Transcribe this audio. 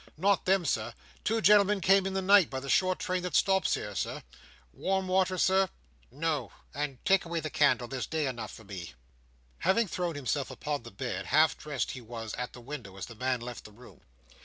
"Not then, sir. Two gentlemen came in the night by the short train that stops here, Sir. Warm water, Sir?" "No; and take away the candle. There's day enough for me." Having thrown himself upon the bed, half dressed he was at the window as the man left the room.